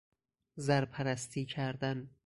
زرپرستی کردن